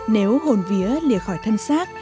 nếu hôn vía lìa khỏi thân xác